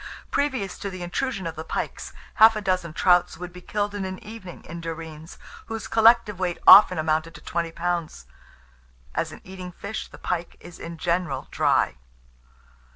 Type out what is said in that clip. Previous to the intrusion of the pikes, half a dozen trouts would be killed in an evening in Derreens, whose collective weight often amounted to twenty pounds." As an eating fish, the pike is in general dry.